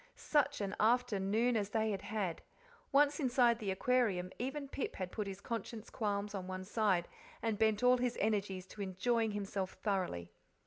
Such an afternoon as they had had! Once inside the Aquarium, even Pip had put his conscience qualms on one side, and bent all his energies to enjoying himself thoroughly.